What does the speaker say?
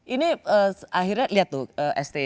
ini akhirnya lihat tuh sti